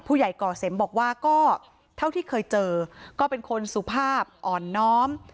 ผู้ใหญ่ก่อเสมบอกว่าก็เท่าที่เคยเจอก็เป็นคนสุภาพอ่อนน้อม